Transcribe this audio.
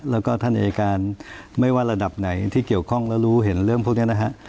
แล้วก็ท่านอายการไม่ว่าระดับไหนที่เกี่ยวข้องแล้วรู้เห็นเรื่องพวกนี้นะฮะ